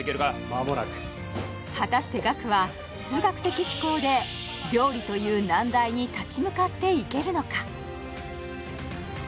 間もなく果たして岳は数学的思考で料理という難題に立ち向かっていけるのか？